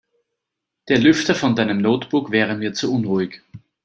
Der Lüfter von deinem Notebook wäre mir zu unruhig.